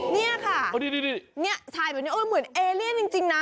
นี่ค่ะถ่ายแบบนี้เหมือนเอเลียนจริงนะ